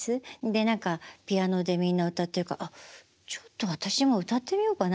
で何かピアノでみんな歌ってるから「あちょっと私も歌ってみようかな」と思って。